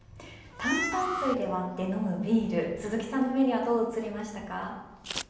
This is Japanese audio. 炭酸水で割って飲むビール鈴木さんの目にはどう映りましたか。